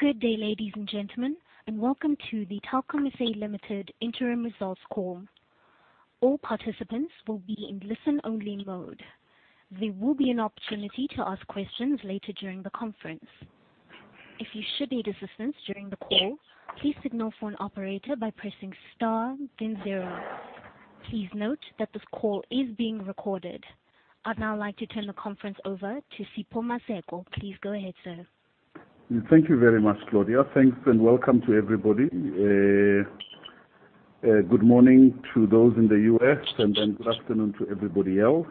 Good day, ladies and gentlemen, and welcome to the Telkom SA SOC Limited Interim Results Call. All participants will be in listen-only mode. There will be an opportunity to ask questions later during the conference. If you should need assistance during the call, please signal for an operator by pressing star then zero. Please note that this call is being recorded. I'd now like to turn the conference over to Sipho Maseko. Please go ahead, sir. Thank you very much, Claudia. Thanks and welcome to everybody. Good morning to those in the U.S. and then good afternoon to everybody else.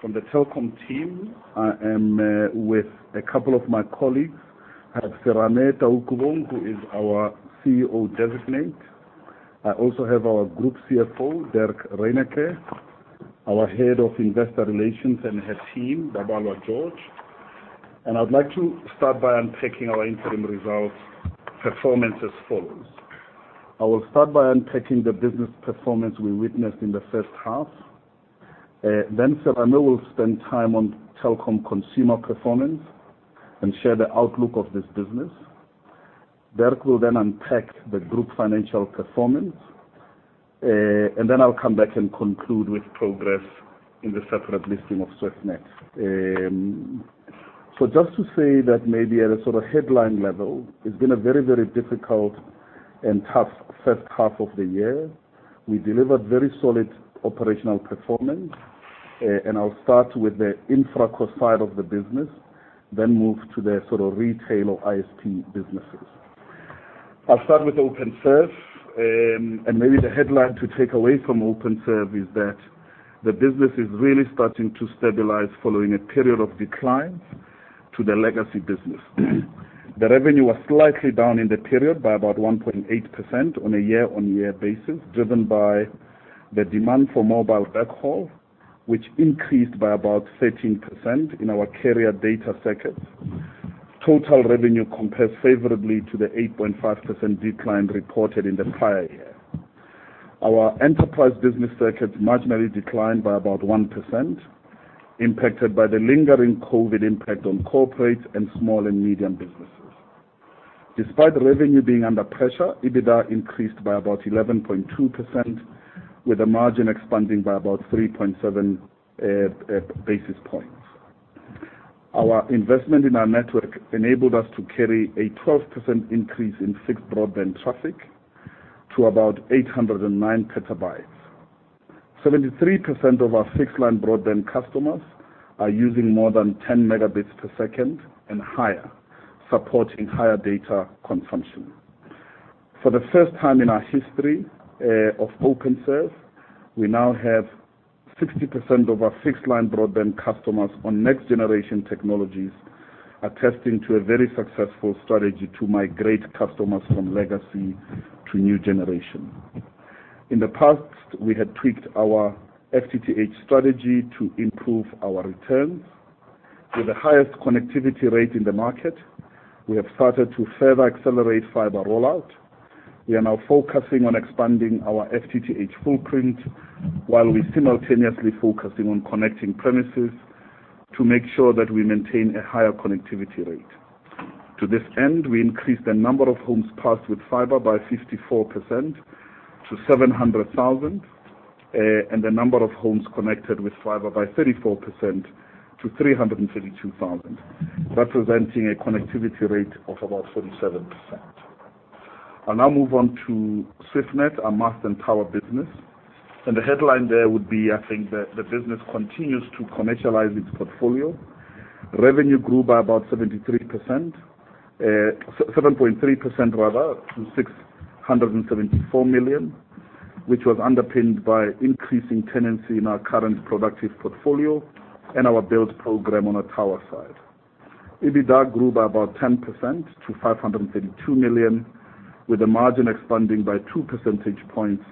From the Telkom team, I am with a couple of my colleagues. I have Serame Taukobong, who is our CEO Designate. I also have our Group CFO, Dirk Reyneke, our head of investor relations and her team, Babalwa George. I'd like to start by unpacking our interim results performance as follows. I will start by unpacking the business performance we witnessed in the first half. Then Serame will spend time on Telkom Consumer performance and share the outlook of this business. Dirk will then unpack the group financial performance, and then I'll come back and conclude with progress in the separate listing of Swiftnet. Just to say that maybe at a sort of headline level, it's been a very, very difficult and tough first half of the year. We delivered very solid operational performance, and I'll start with the Infraco side of the business, then move to the sort of retail or ISP businesses. I'll start with Openserve, and maybe the headline to take away from Openserve is that the business is really starting to stabilize following a period of decline to the legacy business. The revenue was slightly down in the period by about 1.8% on a year-on-year basis, driven by the demand for mobile backhaul, which increased by about 13% in our carrier data circuits. Total revenue compares favorably to the 8.5% decline reported in the prior year. Our enterprise business circuits marginally declined by about 1%, impacted by the lingering COVID impact on corporate and small and medium businesses. Despite the revenue being under pressure, EBITDA increased by about 11.2%, with the margin expanding by about 3.7 basis points. Our investment in our network enabled us to carry a 12% increase in fixed broadband traffic to about 809 petabytes. 73% of our fixed-line broadband customers are using more than 10 Mbps and higher, supporting higher data consumption. For the first time in our history of Openserve, we now have 60% of our fixed line broadband customers on next generation technologies, attesting to a very successful strategy to migrate customers from legacy to new generation. In the past, we had tweaked our FTTH strategy to improve our returns. With the highest connectivity rate in the market, we have started to further accelerate fiber rollout. We are now focusing on expanding our FTTH footprint while we simultaneously focusing on connecting premises to make sure that we maintain a higher connectivity rate. To this end, we increased the number of homes passed with fiber by 54% to 700,000, and the number of homes connected with fiber by 34% to 332,000, representing a connectivity rate of about 47%. I'll now move on to Swiftnet, our mast and tower business. The headline there would be, I think, that the business continues to commercialize its portfolio. Revenue grew by about 73%, 7.3% rather, to 674 million, which was underpinned by increasing tenancy in our current productive portfolio and our build program on the tower side. EBITDA grew by about 10% to 532 million, with the margin expanding by two percentage points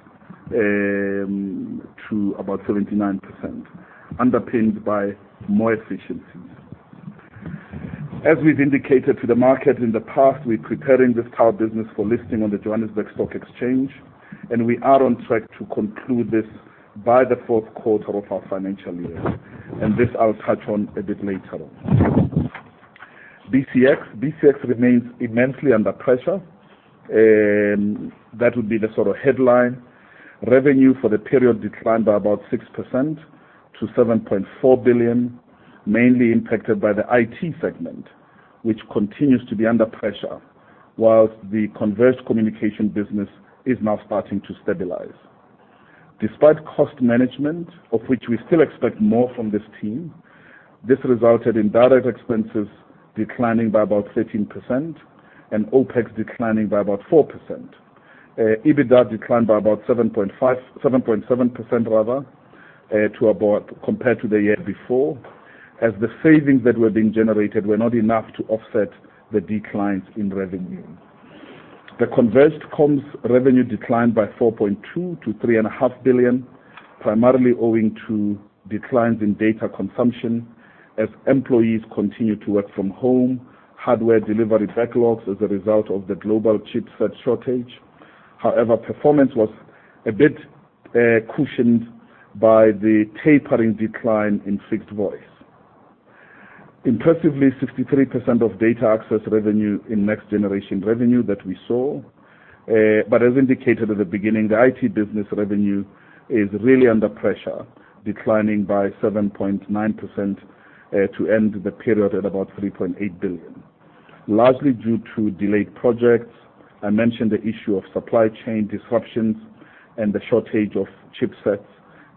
to about 79%, underpinned by more efficiencies. As we've indicated to the market in the past, we're preparing this tower business for listing on the Johannesburg Stock Exchange, and we are on track to conclude this by the Q4 of our financial year. This I'll touch on a bit later on. BCX remains immensely under pressure, that would be the sort of headline. Revenue for the period declined by about 6% to 7.4 billion, mainly impacted by the IT segment, which continues to be under pressure, while the converged communication business is now starting to stabilize. Despite cost management, of which we still expect more from this team, this resulted in data expenses declining by about 13% and OpEx declining by about 4%. EBITDA declined by about 7.7%, rather, compared to the year before, as the savings that were being generated were not enough to offset the declines in revenue. The converged comms revenue declined by 4.2% to 3.5 billion, primarily owing to declines in data consumption as employees continue to work from home, hardware delivery backlogs as a result of the global chipset shortage. However, performance was a bit cushioned by the tapering decline in fixed voice. Impressively, 63% of data access revenue in next-generation revenue that we saw. As indicated at the beginning, the IT business revenue is really under pressure, declining by 7.9% to end the period at about 3.8 billion, largely due to delayed projects. I mentioned the issue of supply chain disruptions and the shortage of chipsets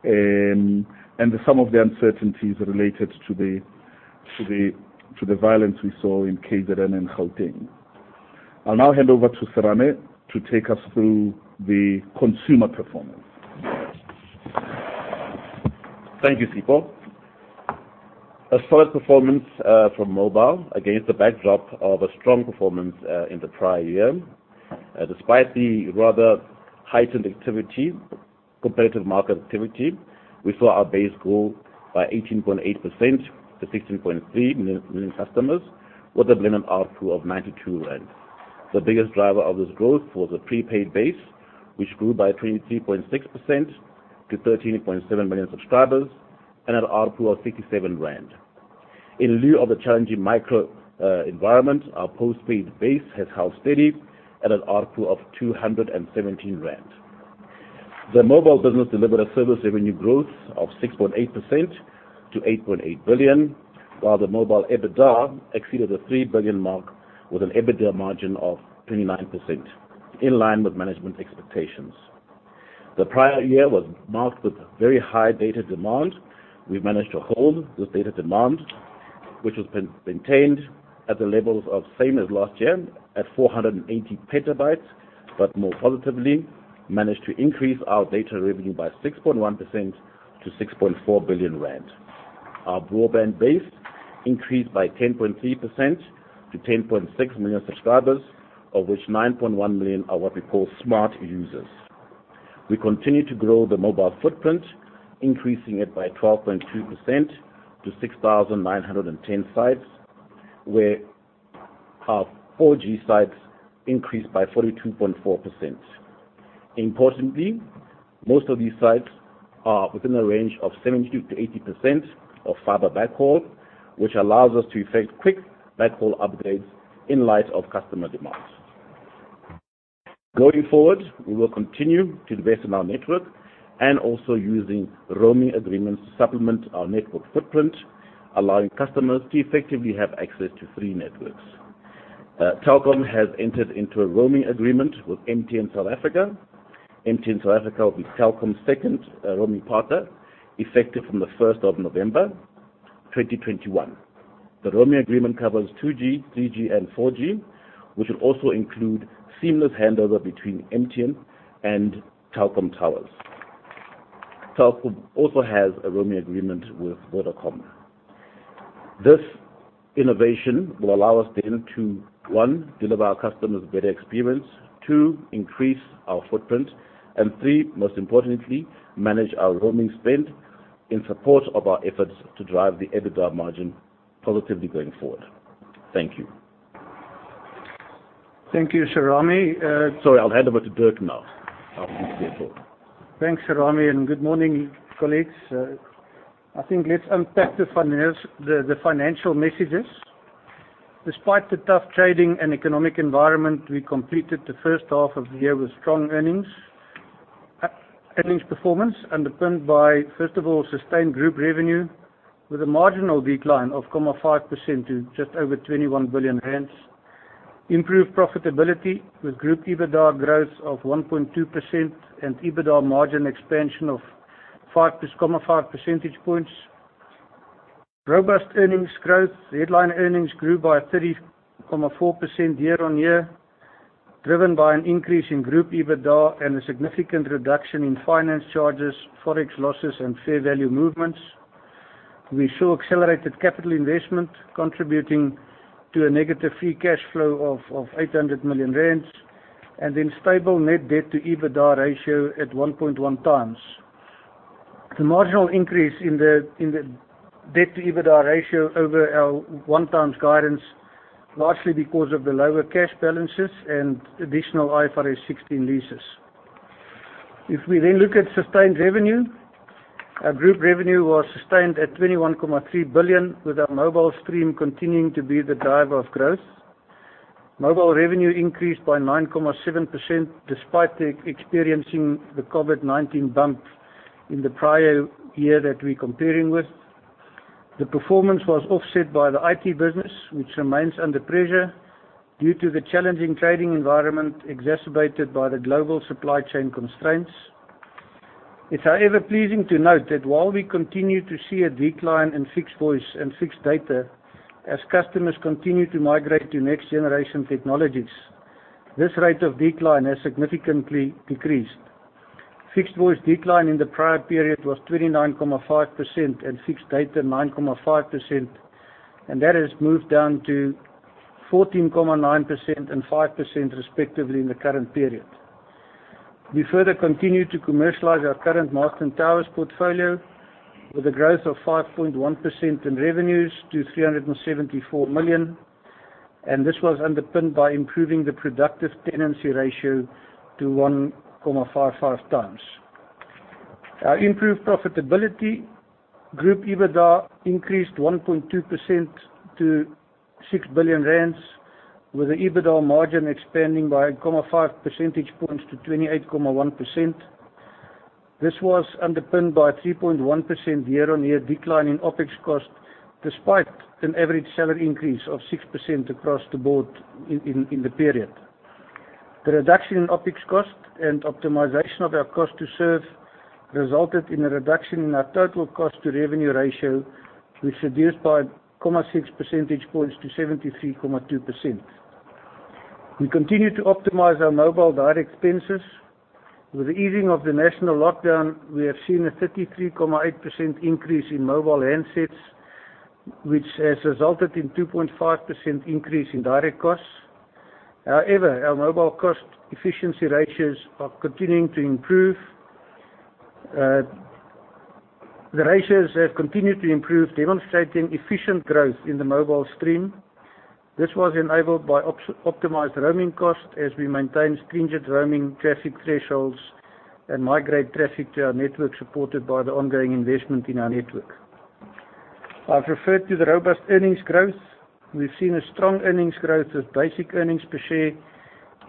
and some of the uncertainties related to the violence we saw in KZN and Gauteng. I'll now hand over to Serame to take us through the consumer performance. Thank you, Sipho. A solid performance from mobile against the backdrop of a strong performance in the prior year. Despite the rather heightened competitive market activity, we saw our base grow by 18.8% to 16.3 million customers, with a blended ARPU of 92 rand. The biggest driver of this growth was the prepaid base, which grew by 23.6% to 13.7 million subscribers and an ARPU of 67 rand. In light of the challenging macro environment, our post-paid base has held steady at an ARPU of 217 rand. The mobile business delivered a service revenue growth of 6.8% to 8.8 billion, while the mobile EBITDA exceeded the 3 billion mark with an EBITDA margin of 29%, in line with management expectations. The prior year was marked with very high data demand. We managed to hold this data demand, which was maintained at the levels of same as last year at 480 petabytes, but more positively managed to increase our data revenue by 6.1% to 6.4 billion rand. Our broadband base increased by 10.3% to 10.6 million subscribers, of which 9.1 million are what we call smart users. We continue to grow the mobile footprint, increasing it by 12.2% to 6,910 sites, where our 4G sites increased by 42.4%. Importantly, most of these sites are within the range of 70%-80% of fiber backhaul, which allows us to effect quick backhaul upgrades in light of customer demands. Going forward, we will continue to invest in our network and also using roaming agreements to supplement our network footprint, allowing customers to effectively have access to three networks. Telkom has entered into a roaming agreement with MTN South Africa. MTN South Africa will be Telkom's second roaming partner, effective from the first of November 2021. The roaming agreement covers 2G, 3G, and 4G, which will also include seamless handover between MTN and Telkom towers. Telkom also has a roaming agreement with Vodacom. This innovation will allow us then to, one, deliver our customers better experience, two, increase our footprint, and three, most importantly, manage our roaming spend in support of our efforts to drive the EBITDA margin positively going forward. Thank you. Thank you, Serame. Sorry, I'll hand over to Dirk now. Oh, okay. Cool. Thanks, Serame, and good morning, colleagues. I think let's unpack the financial messages. Despite the tough trading and economic environment, we completed the first half of the year with strong earnings. Earnings performance underpinned by, first of all, sustained group revenue with a marginal decline of 0.5% to just over 21 billion rand. Improved profitability with group EBITDA growth of 1.2% and EBITDA margin expansion of 5.5 percentage points. Robust earnings growth. Headline earnings grew by 30.4% year-on-year, driven by an increase in group EBITDA and a significant reduction in finance charges, Forex losses, and fair value movements. We saw accelerated capital investment contributing to a negative free cash flow of 800 million rand, and then stable net debt to EBITDA ratio at 1.1 times. The marginal increase in the debt to EBITDA ratio over our 1x guidance, largely because of the lower cash balances and additional IFRS 16 leases. If we then look at sustained revenue, our group revenue was sustained at 21.3 billion, with our mobile stream continuing to be the driver of growth. Mobile revenue increased by 9.7% despite experiencing the COVID-19 bump in the prior year that we're comparing with. The performance was offset by the IT business, which remains under pressure due to the challenging trading environment exacerbated by the global supply chain constraints. It's however pleasing to note that while we continue to see a decline in fixed voice and fixed data, as customers continue to migrate to next-generation technologies, this rate of decline has significantly decreased. Fixed voice decline in the prior period was 29.5% and fixed data 9.5%, and that has moved down to 14.9% and 5% respectively in the current period. We further continue to commercialize our current mast and towers portfolio. With a growth of 5.1% in revenues to 374 million, and this was underpinned by improving the productive tenancy ratio to 1.55 times. Our improved profitability, group EBITDA increased 1.2% to 6 billion rand, with the EBITDA margin expanding by 0.5 percentage points to 28.1%. This was underpinned by 3.1% year-on-year decline in OpEx cost, despite an average salary increase of 6% across the board in the period. The reduction in OpEx cost and optimization of our cost to serve resulted in a reduction in our total cost to revenue ratio, which reduced by 0.6 percentage points to 73.2%. We continue to optimize our mobile direct expenses. With the easing of the national lockdown, we have seen a 33.8% increase in mobile handsets, which has resulted in 2.5% increase in direct costs. However, our mobile cost efficiency ratios are continuing to improve. The ratios have continued to improve, demonstrating efficient growth in the mobile stream. This was enabled by optimized roaming cost, as we maintain stringent roaming traffic thresholds and migrate traffic to our network supported by the ongoing investment in our network. I've referred to the robust earnings growth. We've seen a strong earnings growth with basic earnings per share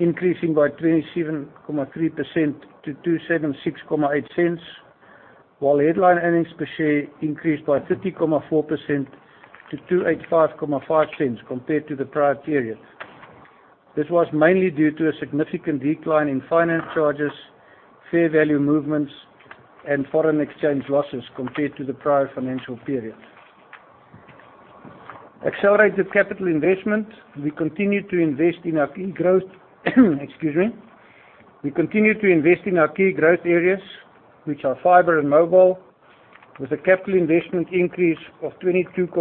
increasing by 27.3% to 2.768, while headline earnings per share increased by 50.4% to 2.855 compared to the prior period. This was mainly due to a significant decline in finance charges, fair value movements, and foreign exchange losses compared to the prior financial period. Accelerated capital investment. We continue to invest in our key growth areas, which are fiber and mobile, with a capital investment increase of 22.7%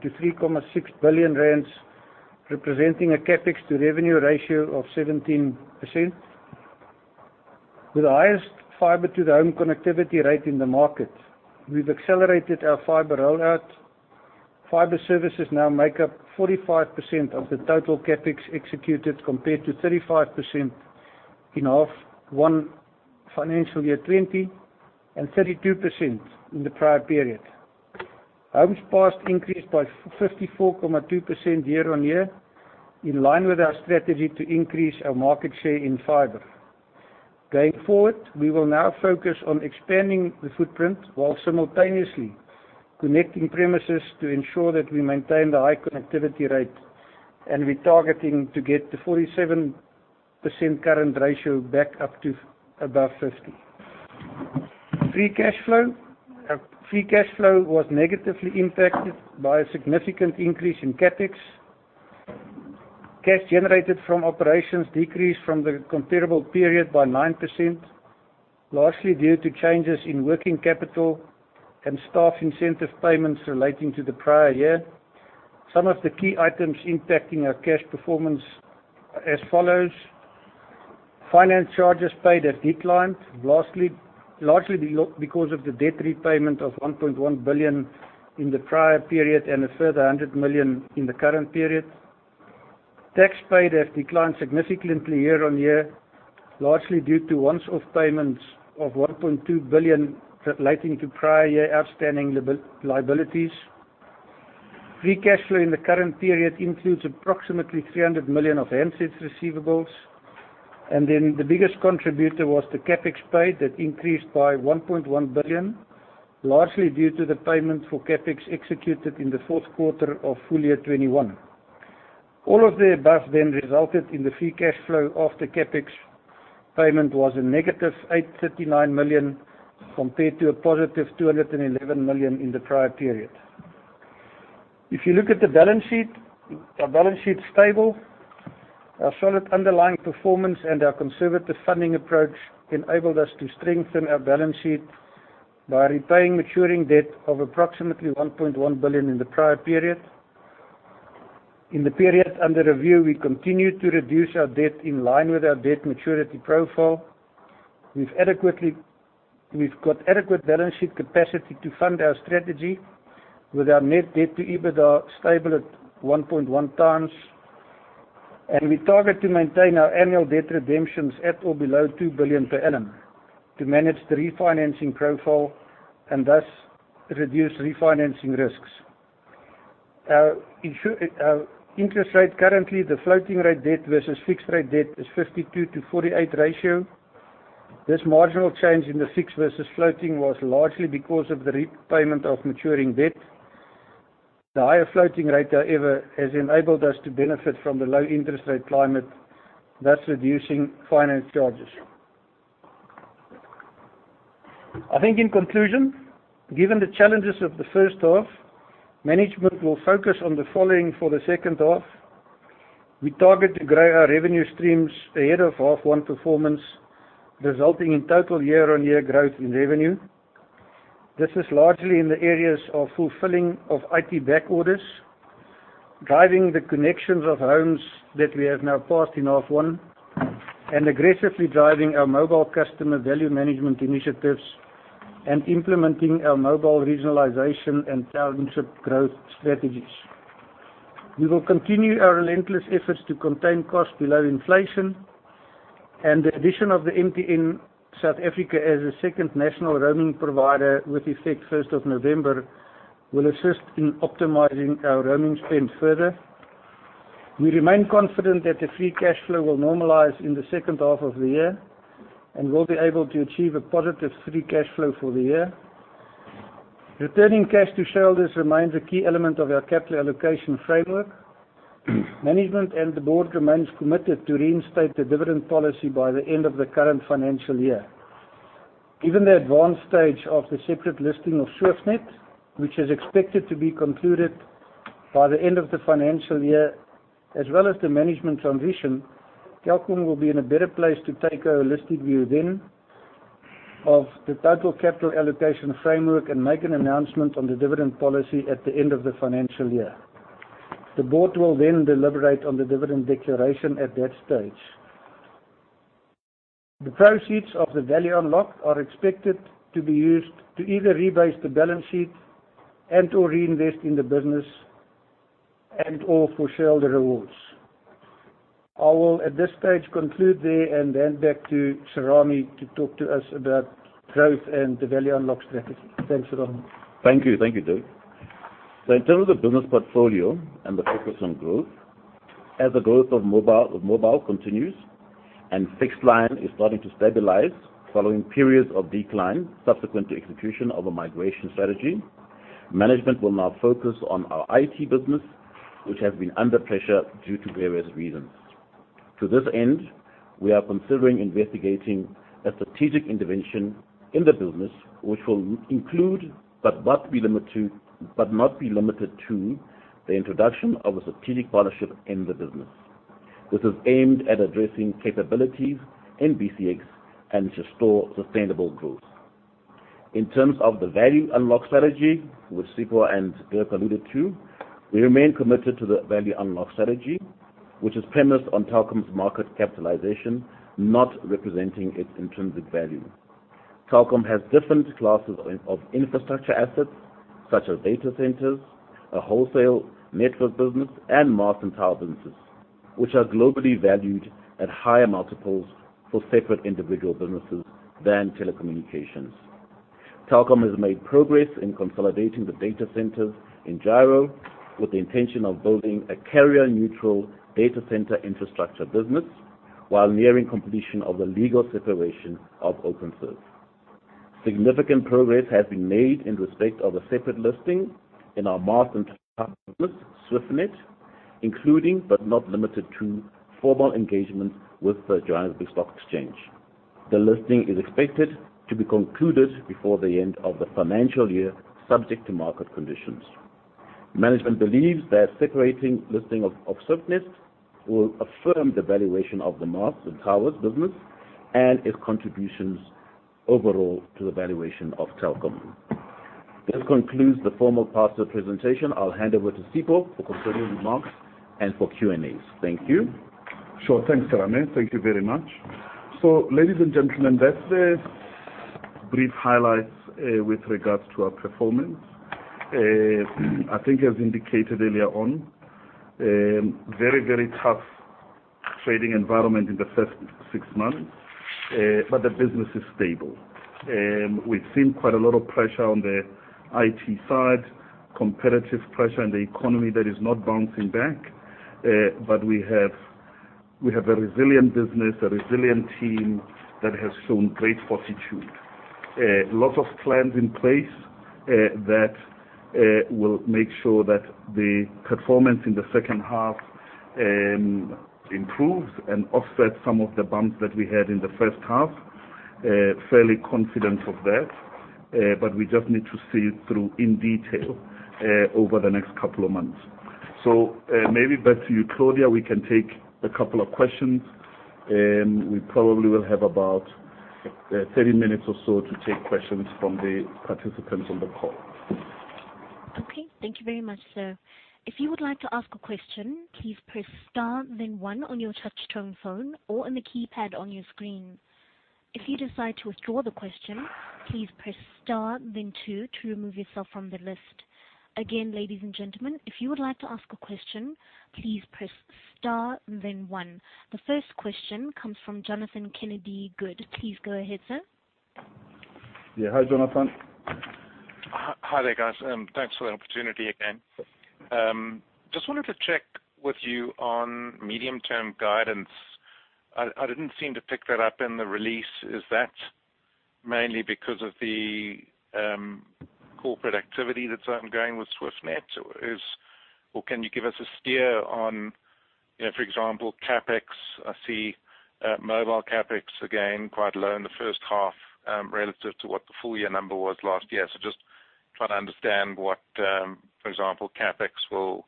to 3.6 billion rand, representing a CapEx to revenue ratio of 17%. With the highest fiber to the home connectivity rate in the market, we've accelerated our fiber rollout. Fiber services now make up 45% of the total CapEx executed compared to 35% in H1 financial year 2020 and 32% in the prior period. Homes passed increased by 54.2% year-on-year in line with our strategy to increase our market share in fiber. Going forward, we will now focus on expanding the footprint while simultaneously connecting premises to ensure that we maintain the high connectivity rate, and we're targeting to get the 47% connectivity rate back up to above 50. Free cash flow was negatively impacted by a significant increase in CapEx. Cash generated from operations decreased from the comparable period by 9%, largely due to changes in working capital and staff incentive payments relating to the prior year. Some of the key items impacting our cash performance are as follows. Finance charges paid have declined, lastly, largely because of the debt repayment of 1.1 billion in the prior period and a further 100 million in the current period. Tax paid has declined significantly year-on-year, largely due to once-off payments of 1.2 billion relating to prior year outstanding liabilities. Free cash flow in the current period includes approximately 300 million of handsets receivables. The biggest contributor was the CapEx paid that increased by 1.1 billion, largely due to the payment for CapEx executed in the Q4 of full year 2021. All of the above then resulted in the free cash flow after CapEx payment was a negative 839 million compared to a positive 211 million in the prior period. If you look at the balance sheet, our balance sheet's stable. Our solid underlying performance and our conservative funding approach enabled us to strengthen our balance sheet by repaying maturing debt of approximately 1.1 billion in the prior period. In the period under review, we continued to reduce our debt in line with our debt maturity profile. We've got adequate balance sheet capacity to fund our strategy with our net debt to EBITDA stable at 1.1 times. We target to maintain our annual debt redemptions at or below 2 billion per annum to manage the refinancing profile and thus reduce refinancing risks. Our interest rate, currently the floating rate debt versus fixed rate debt is 52%-48% ratio. This marginal change in the fixed versus floating was largely because of the repayment of maturing debt. The higher floating rate, however, has enabled us to benefit from the low interest rate climate, thus reducing finance charges. I think in conclusion, given the challenges of the first half, management will focus on the following for the second half. We target to grow our revenue streams ahead of half one performance, resulting in total year-on-year growth in revenue. This is largely in the areas of fulfilling of IT back orders, driving the connections of homes that we have now passed in half one, and aggressively driving our mobile customer value management initiatives and implementing our mobile regionalization and township growth strategies. We will continue our relentless efforts to contain costs below inflation, and the addition of the MTN South Africa as a second national roaming provider with effect first of November, will assist in optimizing our roaming spend further. We remain confident that the free cash flow will normalize in the second half of the year, and we'll be able to achieve a positive free cash flow for the year. Returning cash to shareholders remains a key element of our capital allocation framework. Management and the board remains committed to reinstate the dividend policy by the end of the current financial year. Given the advanced stage of the separate listing of Swiftnet, which is expected to be concluded by the end of the financial year, as well as the management transition, Telkom will be in a better place to take a holistic view then of the total capital allocation framework and make an announcement on the dividend policy at the end of the financial year. The board will then deliberate on the dividend declaration at that stage. The proceeds of the value unlock are expected to be used to either rebase the balance sheet and/or reinvest in the business and/or for shareholder rewards. I will, at this stage, conclude there and hand back to Serame to talk to us about growth and the value unlock strategy. Thanks, Serame. Thank you. Thank you, Dirk. In terms of business portfolio and the focus on growth, as the growth of mobile continues and fixed line is starting to stabilize following periods of decline subsequent to execution of a migration strategy, management will now focus on our IT business, which has been under pressure due to various reasons. To this end, we are considering investigating a strategic intervention in the business, which will include, but not be limited to the introduction of a strategic partnership in the business. This is aimed at addressing capabilities in BCX and to restore sustainable growth. In terms of the value unlock strategy, which Sipho and Dirk alluded to, we remain committed to the value unlock strategy, which is premised on Telkom's market capitalization not representing its intrinsic value. Telkom has different classes of infrastructure assets such as data centers, a wholesale network business, and mast and tower businesses, which are globally valued at higher multiples for separate individual businesses than telecommunications. Telkom has made progress in consolidating the data centers in Gyro, with the intention of building a carrier-neutral data center infrastructure business while nearing completion of the legal separation of Openserve. Significant progress has been made in respect of a separate listing in our mast and towers business, Swiftnet, including but not limited to formal engagement with the Johannesburg Stock Exchange. The listing is expected to be concluded before the end of the financial year, subject to market conditions. Management believes that separating listing of Swiftnet will affirm the valuation of the masts and towers business and its contributions overall to the valuation of Telkom. This concludes the formal part of the presentation. I'll hand over to Sipho for concluding remarks and for Q&As. Thank you. Sure. Thanks, Serame. Thank you very much. Ladies and gentlemen, that's the brief highlights with regards to our performance. I think as indicated earlier on, very, very tough trading environment in the first six months, but the business is stable. We've seen quite a lot of pressure on the IT side, competitive pressure in the economy that is not bouncing back. We have a resilient business, a resilient team that has shown great fortitude. Lots of plans in place that will make sure that the performance in the second half improves and offsets some of the bumps that we had in the first half. Fairly confident of that, but we just need to see it through in detail over the next couple of months. Maybe back to you, Claudia. We can take a couple of questions. We probably will have about 30 minutes or so to take questions from the participants on the call. Okay. Thank you very much, sir. If you would like to ask a question, please press star then one on your touchtone phone or in the keypad on your screen. If you decide to withdraw the question, please press star then two to remove yourself from the list. Again, ladies and gentlemen, if you would like to ask a question, please press star then one. The first question comes from Jonathan Kennedy-Good. Please go ahead, sir. Yeah. Hi, Jonathan. Hi, hi there, guys, and thanks for the opportunity again. Just wanted to check with you on medium-term guidance. I didn't seem to pick that up in the release. Is that mainly because of the corporate activity that's ongoing with SwiftNet? Or can you give us a steer on, you know, for example, CapEx? I see mobile CapEx, again, quite low in the first half, relative to what the full year number was last year. Just trying to understand what, for example, CapEx will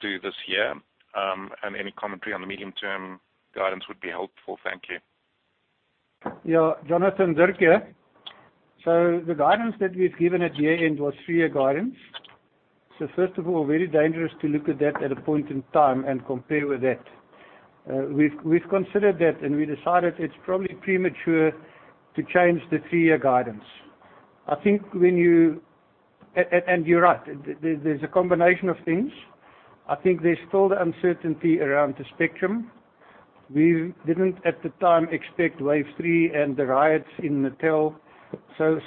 do this year, and any commentary on the medium-term guidance would be helpful. Thank you. Yeah, Jonathan, Dirk here. The guidance that we've given at year-end was three-year guidance. First of all, very dangerous to look at that at a point in time and compare with that. We've considered that, and we decided it's probably premature to change the three-year guidance. I think, and you're right. There's a combination of things. I think there's still the uncertainty around the spectrum. We didn't, at the time, expect wave three and the riots in Natal.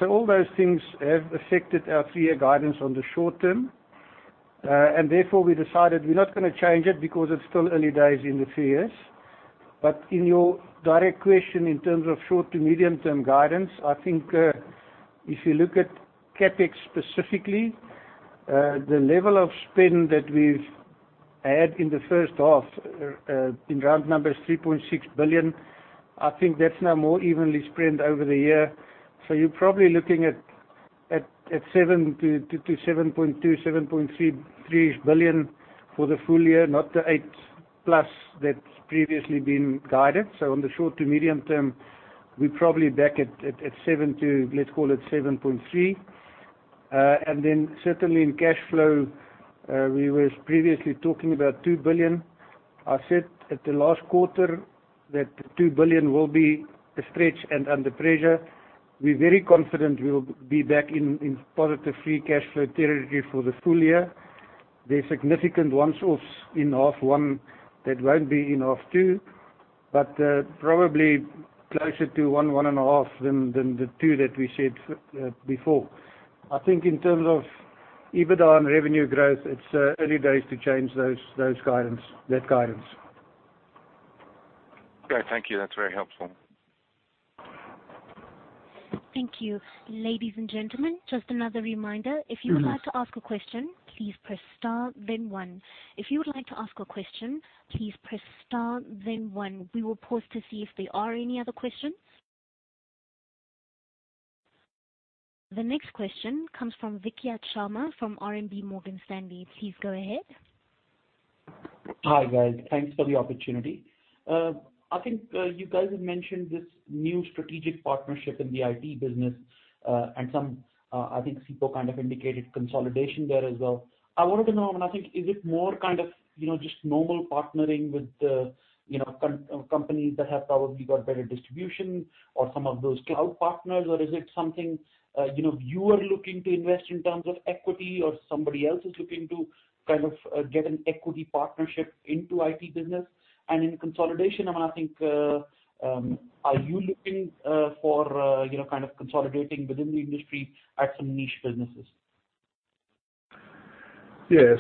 All those things have affected our three-year guidance on the short term. Therefore, we decided we're not gonna change it because it's still early days in the three years. In your direct question, in terms of short- to medium-term guidance, I think, if you look at CapEx specifically, the level of spend that we've had in the first half, in round numbers 3.6 billion. I think that's now more evenly spread over the year. You're probably looking at 7-7.2, 7.3-ish billion for the full year, not the 8+ that's previously been guided. On the short to medium term, we're probably back at 7-7.3 billion. And then certainly in cash flow, we were previously talking about 2 billion. I said at the last quarter that 2 billion will be a stretch and under pressure. We're very confident we'll be back in positive free cash flow territory for the full year. There's significant one-offs in half one that won't be in half two. Probably closer to 1-1.5 than the 2 that we said before. I think in terms of EBITDA and revenue growth, it's early days to change that guidance. Great. Thank you. That's very helpful. Thank you. Ladies and gentlemen, just another reminder. Mm-hmm. We will pause to see if there are any other questions. The next question comes from Vikhyat Sharma from RMB Morgan Stanley. Please go ahead. Hi, guys. Thanks for the opportunity. I think you guys have mentioned this new strategic partnership in the IT business, and some I think Sipho kind of indicated consolidation there as well. I wanted to know, and I think is it more kind of, you know, just normal partnering with, you know, companies that have probably got better distribution or some of those cloud partners? Or is it something, you know, you are looking to invest in terms of equity or somebody else is looking to kind of get an equity partnership into IT business? In consolidation, I mean, I think are you looking for, you know, kind of consolidating within the industry at some niche businesses? Yeah.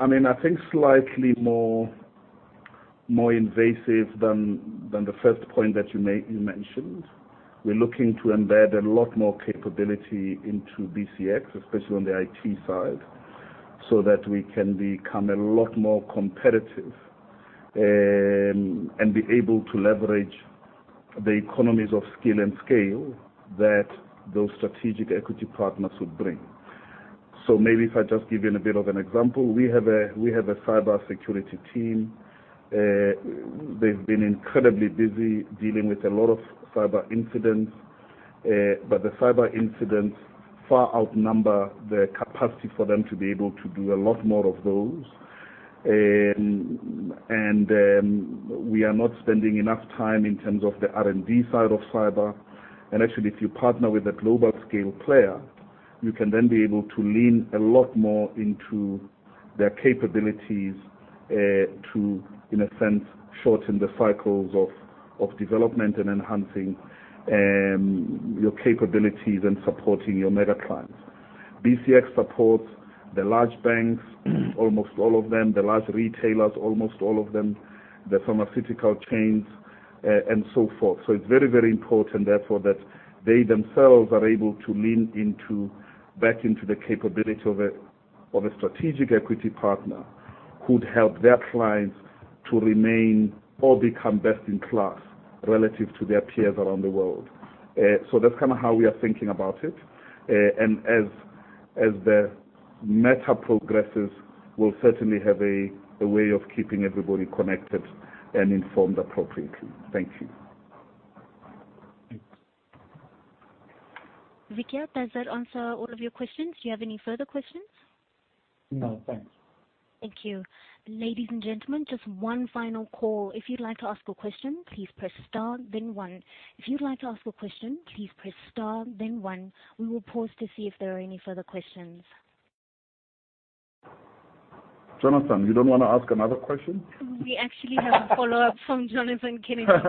I mean, I think slightly more invasive than the first point that you made, you mentioned. We're looking to embed a lot more capability into BCX, especially on the IT side, so that we can become a lot more competitive, and be able to leverage the economies of skill and scale that those strategic equity partners would bring. Maybe if I just give you a bit of an example. We have a cyber security team. They've been incredibly busy dealing with a lot of cyber incidents. But the cyber incidents far outnumber the capacity for them to be able to do a lot more of those. We are not spending enough time in terms of the R&D side of cyber. Actually, if you partner with a global scale player, you can then be able to lean a lot more into their capabilities to, in a sense, shorten the cycles of development and enhancing your capabilities and supporting your mega clients. BCX supports the large banks, almost all of them, the large retailers, almost all of them, the pharmaceutical chains and so forth. So it's very, very important, therefore, that they themselves are able to lean into back into the capability of a strategic equity partner who'd help their clients to remain or become best in class relative to their peers around the world. So that's kinda how we are thinking about it. As the meta progresses, we'll certainly have a way of keeping everybody connected and informed appropriately. Thank you. Vikhyat, does that answer all of your questions? Do you have any further questions? No, thanks. Thank you. Ladies and gentlemen, just one final call. If you'd like to ask a question, please press star then one. We will pause to see if there are any further questions. Jonathan, you don't wanna ask another question? We actually have a follow-up from Jonathan Kennedy-Good.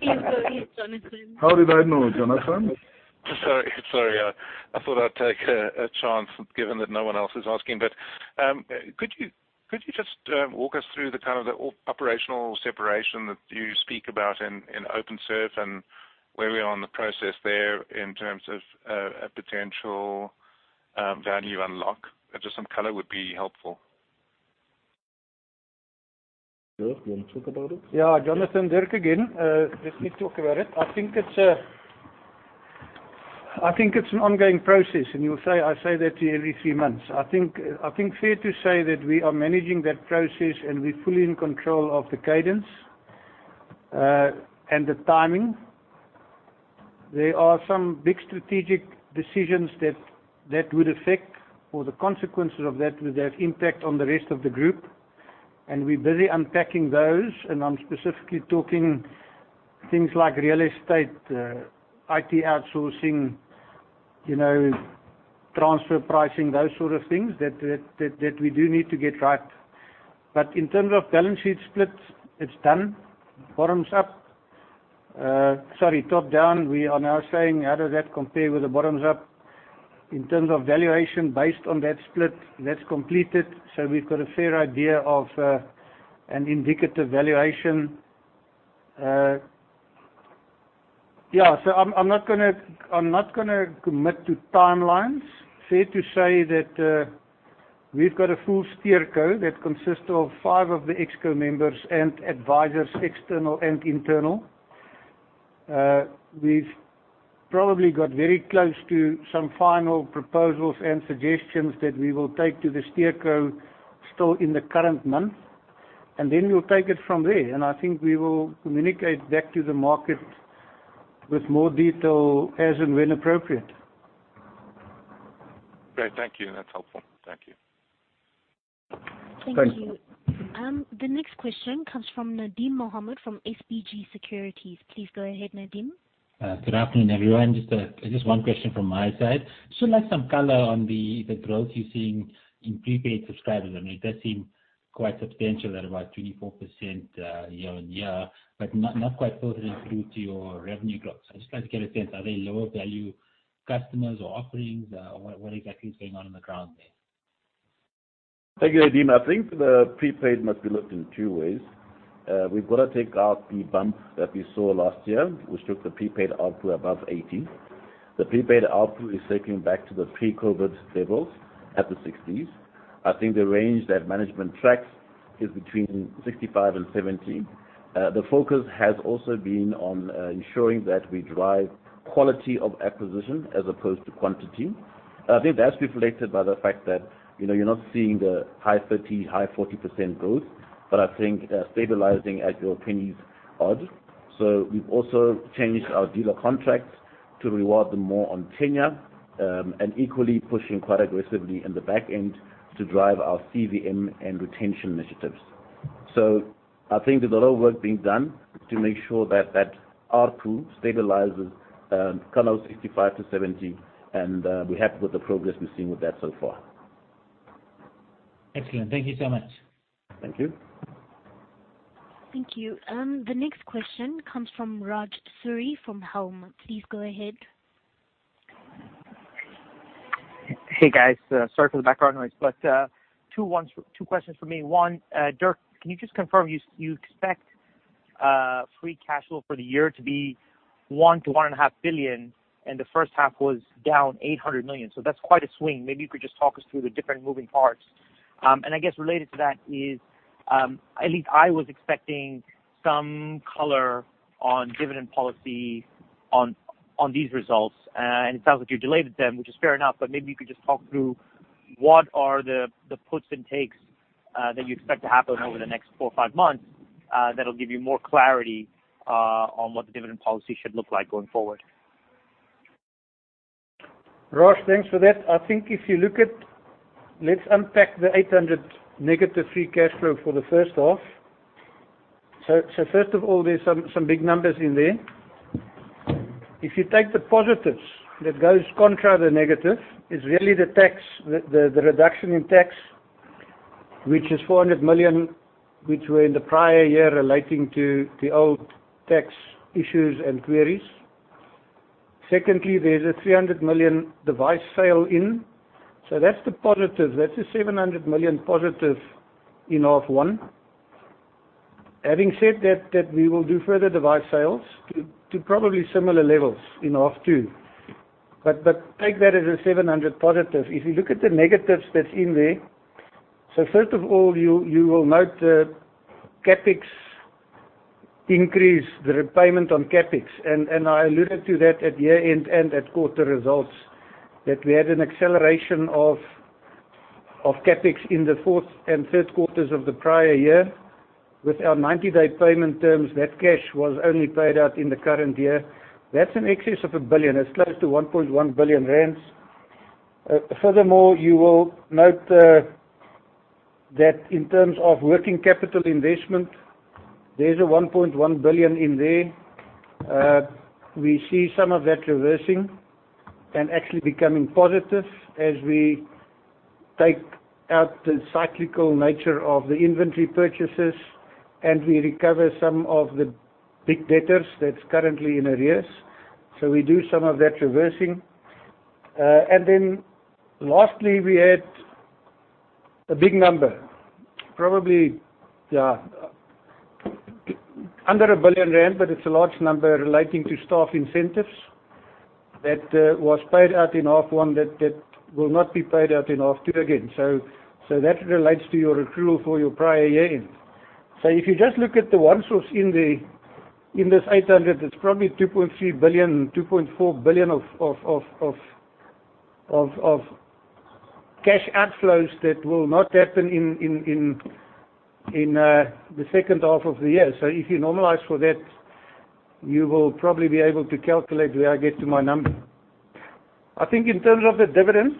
Please go ahead, Jonathan. How did I know, Jonathan? Sorry. I thought I'd take a chance given that no one else is asking. Could you just walk us through the kind of operational separation that you speak about in Openserve and where we are in the process there in terms of a potential value unlock? Just some color would be helpful. Sipho, you wanna talk about it? Jonathan, Dirk again. Let me talk about it. I think it's an ongoing process, and you'll say, I say that to you every three months. I think it's fair to say that we are managing that process, and we're fully in control of the cadence and the timing. There are some big strategic decisions that would affect, or the consequences of that would have impact on the rest of the group, and we're busy unpacking those, and I'm specifically talking things like real estate, IT outsourcing, you know, transfer pricing, those sort of things that we do need to get right. In terms of balance sheet split, it's done. Bottoms up. Sorry, top-down, we are now saying how does that compare with the bottoms up. In terms of valuation based on that split, that's completed, so we've got a fair idea of an indicative valuation. Yeah, so I'm not gonna commit to timelines. Fair to say that we've got a full SteerCo that consists of five of the Exco members and advisors, external and internal. We've probably got very close to some final proposals and suggestions that we will take to the SteerCo still in the current month, and then we'll take it from there. I think we will communicate back to the market with more detail as and when appropriate. Great. Thank you. That's helpful. Thank you. Thanks. Thank you. The next question comes from Nadim Mohamed from SBG Securities. Please go ahead, Nadim. Good afternoon, everyone. Just one question from my side. Just like some color on the growth you're seeing in prepaid subscribers. I mean, it does seem quite substantial at about 24%, year-on-year, but not quite filtering through to your revenue growth. I'd just like to get a sense, are they lower value customers or offerings? What exactly is going on on the ground there? Thank you, Nadim. I think the prepaid must be looked in 2 ways. We've got to take out the bump that we saw last year, which took the prepaid ARPU above 80. The prepaid ARPU is back to the pre-COVID levels at the 60s. I think the range that management tracks is between 65 and 70. The focus has also been on ensuring that we drive quality of acquisition as opposed to quantity. I think that's reflected by the fact that, you know, you're not seeing the high 30s, high 40s% growth, but I think stabilizing at your 20s-odd. We've also changed our dealer contracts to reward them more on tenure, and equally pushing quite aggressively in the back end to drive our CVM and retention initiatives. I think there's a lot of work being done to make sure that ARPU stabilizes, kinda 65-70, and we're happy with the progress we've seen with that so far. Excellent. Thank you so much. Thank you. Thank you. The next question comes from Rajat Suri from Helm. Please go ahead. Hey, guys. Sorry for the background noise, but two questions from me. One, Dirk, can you just confirm you expect free cash flow for the year to be 1 billion-1.5 billion, and the first half was down 800 million. That's quite a swing. Maybe you could just talk us through the different moving parts. And I guess related to that is, at least I was expecting some color on dividend policy on these results. And it sounds like you delayed them, which is fair enough, but maybe you could just talk through what are the puts and takes that you expect to happen over the next four or five months, that'll give you more clarity on what the dividend policy should look like going forward. Rajat, thanks for that. I think if you look at, let's unpack the 800 negative free cash flow for the first half. First of all, there's some big numbers in there. If you take the positives that goes contra the negative, it's really the tax, the reduction in tax, which is 400 million, which were in the prior year relating to the old tax issues and queries. Secondly, there's a 300 million device sale in. That's the positive. That's a 700 million positive in half one. Having said that, we will do further device sales to probably similar levels in half two. Take that as a 700 million positive. If you look at the negatives that's in there. First of all, you will note the CapEx increase, the repayment on CapEx, and I alluded to that at year-end and at quarter results, that we had an acceleration of CapEx in the Q4 and Q3 of the prior year. With our 90-day payment terms, that cash was only paid out in the current year. That's in excess of 1 billion. It's close to 1.1 billion rand. Furthermore, you will note that in terms of working capital investment, there's a 1.1 billion in there. We see some of that reversing and actually becoming positive as we take out the cyclical nature of the inventory purchases and we recover some of the big debtors that's currently in arrears. We do some of that reversing. Lastly, we had a big number, probably under 1 billion rand, but it's a large number relating to staff incentives that was paid out in H1 that will not be paid out in H2 again. That relates to your accrual for your prior year-end. If you just look at the ones within the 800, it's probably 2.3 billion, 2.4 billion of cash outflows that will not happen in the second half of the year. If you normalize for that, you will probably be able to calculate where I get to my number. I think in terms of the dividend,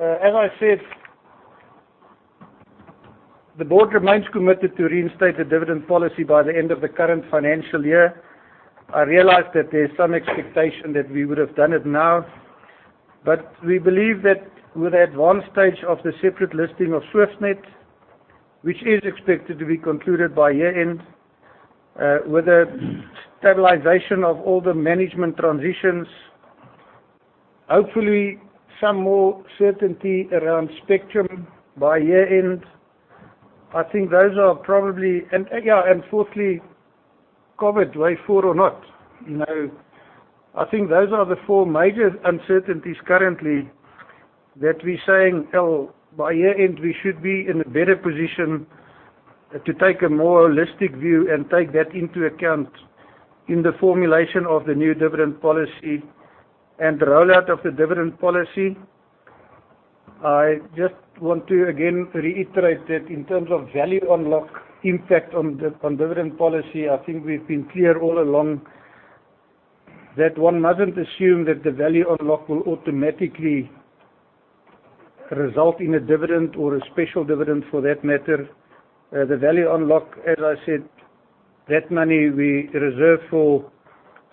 as I said, the board remains committed to reinstate the dividend policy by the end of the current financial year. I realize that there's some expectation that we would have done it now, but we believe that with the advanced stage of the separate listing of Swiftnet, which is expected to be concluded by year-end, with a stabilization of all the management transitions, hopefully some more certainty around spectrum by year-end. I think those are probably, yeah, and fourthly, COVID, wave four or not. You know, I think those are the four major uncertainties currently that we're saying, well, by year-end, we should be in a better position to take a more holistic view and take that into account in the formulation of the new dividend policy and the rollout of the dividend policy. I just want to again reiterate that in terms of value unlock impact on the, on dividend policy, I think we've been clear all along that one mustn't assume that the value unlock will automatically result in a dividend or a special dividend for that matter. The value unlock, as I said, that money we reserve for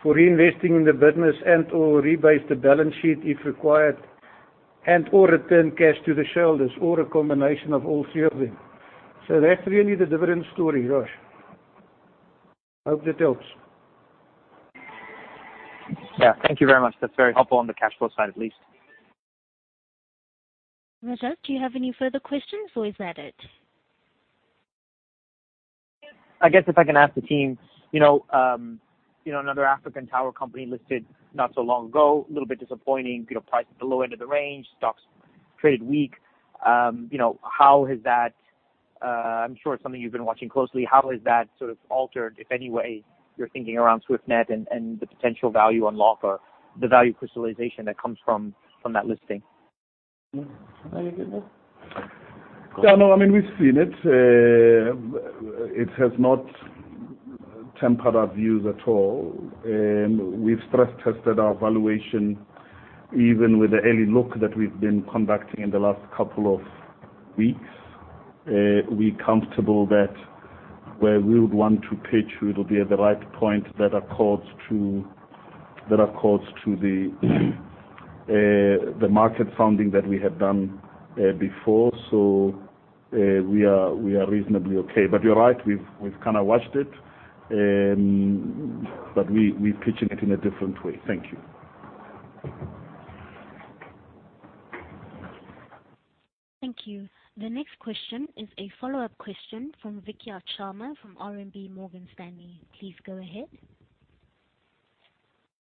reinvesting in the business and/or rebase the balance sheet if required, and/or return cash to the shareholders, or a combination of all three of them. That's really the dividend story, Rajat. Hope that helps. Yeah. Thank you very much. That's very helpful on the cash flow side, at least. Rajat, do you have any further questions or is that it? I guess if I can ask the team, you know, another African tower company listed not so long ago, a little bit disappointing, you know, priced at the low end of the range, stocks traded weak. You know, how has that, I'm sure it's something you've been watching closely. How has that sort of altered, in any way, your thinking around Swiftnet and the potential value unlock or the value crystallization that comes from that listing? Can I get that? Yeah, no, I mean, we've seen it. It has not tempered our views at all. We've stress tested our valuation, even with the early look that we've been conducting in the last couple of weeks. We comfortable that where we would want to pitch, it'll be at the right point that accords to the market funding that we have done before. We are reasonably okay. You're right, we've kinda watched it, but we pitching it in a different way. Thank you. Thank you. The next question is a follow-up question from Vikhyat Sharma from RMB Morgan Stanley. Please go ahead.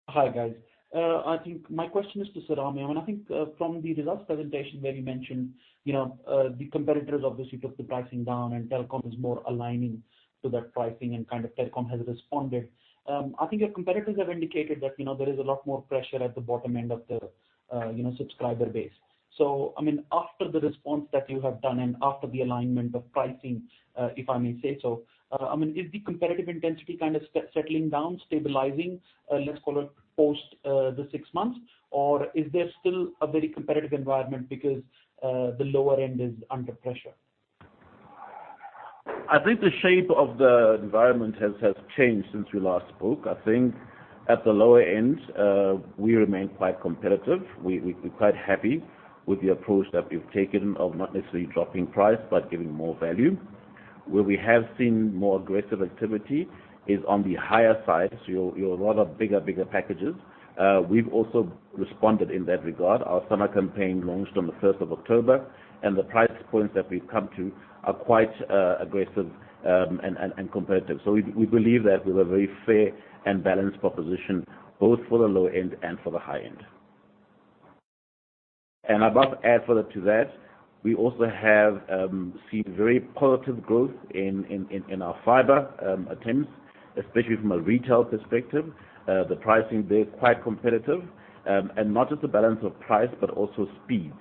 Hi, guys. I think my question is to Serame. I think, from the results presentation where you mentioned, you know, the competitors obviously took the pricing down and Telkom is more aligning to that pricing, and kind of Telkom has responded. I think your competitors have indicated that, you know, there is a lot more pressure at the bottom end of the, you know, subscriber base. I mean, after the response that you have done and after the alignment of pricing, if I may say so, I mean, is the competitive intensity kind of settling down, stabilizing, let's call it post, the six months? Or is there still a very competitive environment because, the lower end is under pressure? I think the shape of the environment has changed since we last spoke. I think at the lower end, we remain quite competitive. We're quite happy with the approach that we've taken of not necessarily dropping price, but giving more value. Where we have seen more aggressive activity is on the higher side, so a lot of bigger packages. We've also responded in that regard. Our summer campaign launched on the first of October, and the price points that we've come to are quite aggressive and competitive. So we believe that we have a very fair and balanced proposition, both for the low end and for the high end. I'd love to add further to that. We also have seen very positive growth in our fiber attempts, especially from a retail perspective. The pricing there is quite competitive, and not just the balance of price, but also speeds.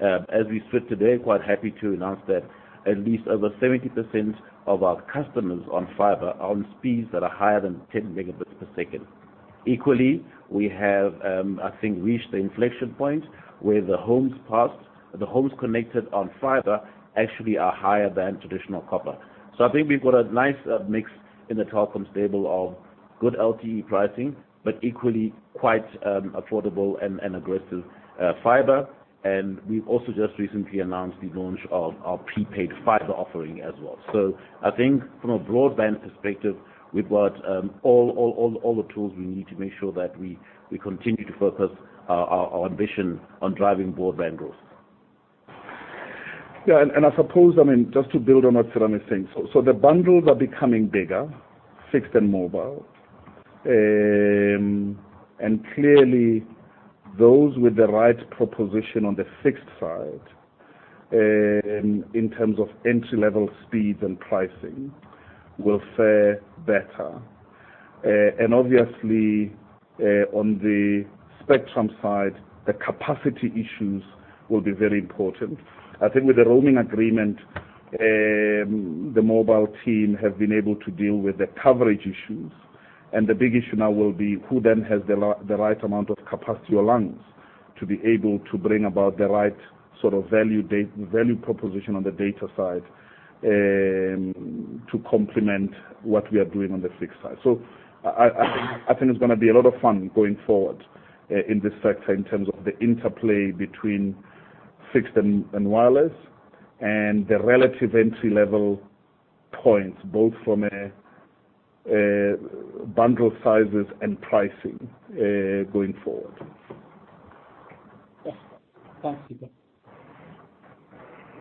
As we sit today, quite happy to announce that at least over 70% of our customers on fiber are on speeds that are higher than 10 Mbps. Equally, we have, I think reached the inflection point where the homes passed, the homes connected on fiber actually are higher than traditional copper. I think we've got a nice mix in the telecom stable of good LTE pricing, but equally quite affordable and aggressive fiber. We've also just recently announced the launch of our prepaid fiber offering as well. I think from a broadband perspective, we've got all the tools we need to make sure that we continue to focus our ambition on driving broadband growth. Yeah. I suppose, I mean, just to build on what Sirame's saying. The bundles are becoming bigger, fixed and mobile. Clearly those with the right proposition on the fixed side, in terms of entry-level speeds and pricing will fare better. Obviously, on the spectrum side, the capacity issues will be very important. I think with the roaming agreement, the mobile team have been able to deal with the coverage issues, and the big issue now will be who then has the right amount of capacity or lungs to be able to bring about the right sort of value proposition on the data side, to complement what we are doing on the fixed side. I think it's gonna be a lot of fun going forward, in this sector in terms of the interplay between fixed and wireless and the relative entry-level points, both from a bundle sizes and pricing, going forward. Yeah. Thanks, Sipho Maseko.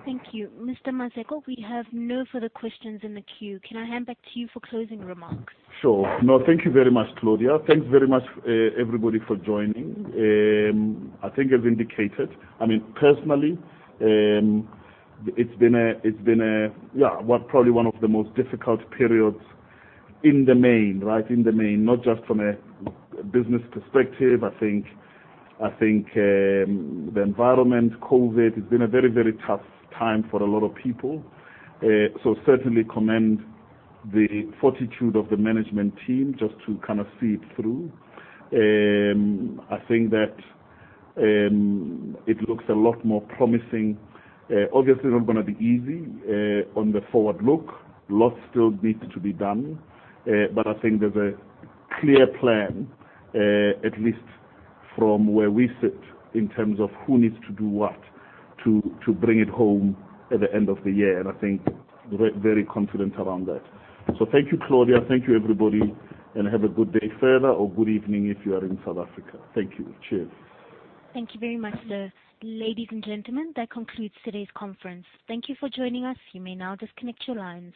Thank you. Mr. Maseko, we have no further questions in the queue. Can I hand back to you for closing remarks? Sure. No, thank you very much, Claudia. Thanks very much, everybody for joining. I think I've indicated, I mean, personally, it's been a, yeah, probably one of the most difficult periods in the main, right? In the main, not just from a business perspective. I think the environment, COVID, it's been a very, very tough time for a lot of people. So certainly commend the fortitude of the management team just to kinda see it through. I think that it looks a lot more promising. Obviously not gonna be easy on the forward look. Lot still needs to be done, but I think there's a clear plan, at least from where we sit in terms of who needs to do what to bring it home at the end of the year. I think very confident around that. Thank you, Claudia. Thank you, everybody, and have a good day further or good evening if you are in South Africa. Thank you. Cheers. Thank you very much, sir. Ladies and gentlemen, that concludes today's conference. Thank you for joining us. You may now disconnect your lines.